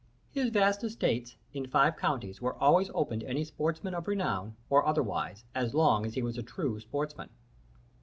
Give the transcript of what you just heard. His vast estates, in five counties, were always open to any sportsman of renown, or otherwise, as long as he was a true sportsman.